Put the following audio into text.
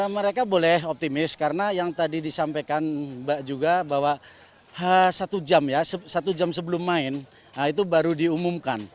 mereka boleh optimis karena yang tadi disampaikan mbak juga bahwa satu jam ya satu jam sebelum main itu baru diumumkan